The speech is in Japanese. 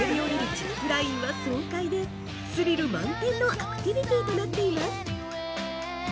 ジップラインは爽快でスリル満点のアクティビティとなっています。